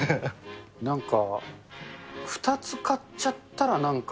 なんか２つ買っちゃったらなんか、